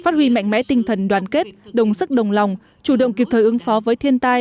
huy mạnh mẽ tinh thần đoàn kết đồng sức đồng lòng chủ động kịp thời ứng phó với thiên tai